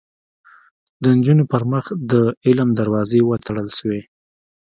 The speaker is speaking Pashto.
د نجونو پر مخ د علم دروازې وتړل شوې